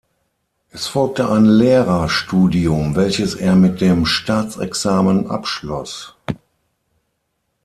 Es folgte ein Lehrerstudium welches er mit dem Staatsexamen abschloss.